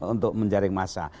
untuk menjaring masa